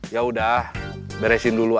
ya terus terus